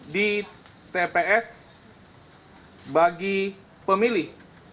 di tps bagi pemilih